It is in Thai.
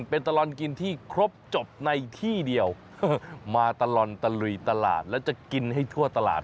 เป็นตลอดกินที่ครบจบในที่เดียวมาตลอดตะลุยตลาดแล้วจะกินให้ทั่วตลาด